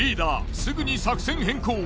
すぐに作戦変更。